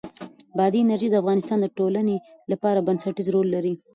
بادي انرژي د افغانستان د ټولنې لپاره بنسټيز رول لري.